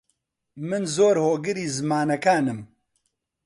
من زۆر هۆگری زمانەکانم.